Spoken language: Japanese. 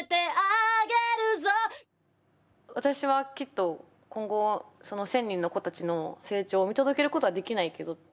私はきっと今後１，０００人の子たちの成長を見届けることはできないけど。